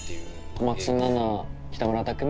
小松菜奈北村匠海